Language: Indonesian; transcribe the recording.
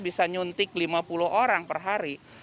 bisa nyuntik lima puluh orang per hari